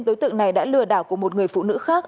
đối tượng này đã lừa đảo của một người phụ nữ khác